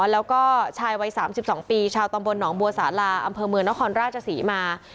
แล้วก็ชายวัย๓๒ปีชาวตำบลหนองบัวสาลาอำเภอเมืองนครราชศรีมา